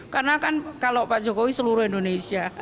karena kan kalau pak jokowi seluruh indonesia